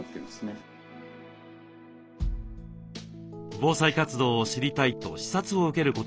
防災活動を知りたいと視察を受けることもあります。